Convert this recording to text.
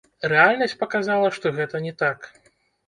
Рэальнасць паказала, што гэта не так.